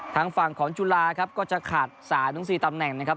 ทางฝั่งของจุฬาครับก็จะขาด๓๔ตำแหน่งนะครับ